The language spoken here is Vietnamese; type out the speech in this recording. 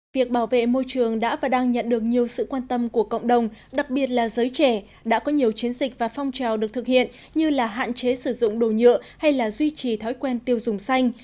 việc bảo vệ môi trường đã và đang nhận được nhiều sự quan tâm của cộng đồng đặc biệt là giới trẻ đã có nhiều chiến dịch và phong trào được thực hiện như là hạn chế sử dụng đồ nhựa hay là duy trì thói quen tiêu dùng xanh